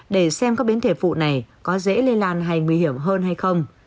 để xem các biến thể phụ này có dễ lây lan hay nguy hiểm hơn hay không